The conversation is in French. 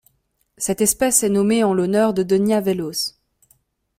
Cette espèce est nommée en l'honneur de Denia Veloz.